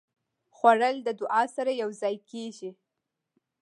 خوړل د دعا سره یوځای کېږي